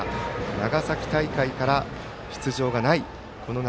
長崎大会から出場がないこの夏